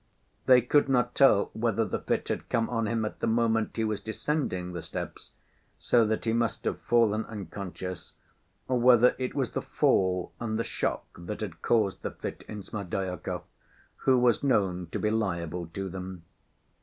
They could not tell whether the fit had come on him at the moment he was descending the steps, so that he must have fallen unconscious, or whether it was the fall and the shock that had caused the fit in Smerdyakov, who was known to be liable to them.